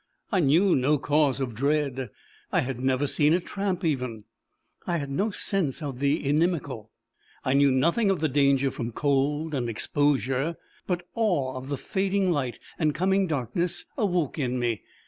I knew no cause of dread. I had never seen a tramp even; I had no sense of the inimical. I knew nothing of the danger from cold and exposure. But awe of the fading light and coming darkness awoke in me.